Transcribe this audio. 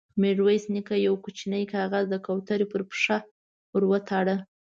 ميرويس نيکه يو کوچينۍ کاغذ د کوترې پر پښه ور وتاړه.